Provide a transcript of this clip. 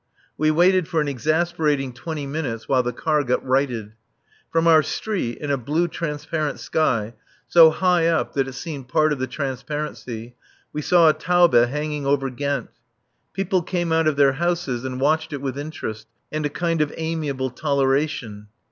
We waited for an exasperating twenty minutes while the car got righted. From our street, in a blue transparent sky, so high up that it seemed part of the transparency, we saw a Taube hanging over Ghent. People came out of their houses and watched it with interest and a kind of amiable toleration.